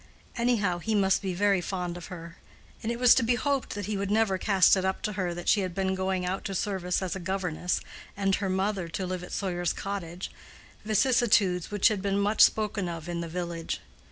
Anyhow he must be very fond of her; and it was to be hoped that he would never cast it up to her that she had been going out to service as a governess, and her mother to live at Sawyer's Cottage—vicissitudes which had been much spoken of in the village.